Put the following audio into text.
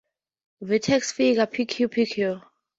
Vertex figure p.q.-p.-q.